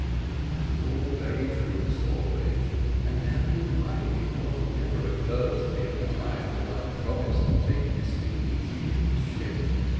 "That is all very true, Sawbridge; and now you remind me of what never occurred to me at the time that I promised to take Mr Easy in the ship.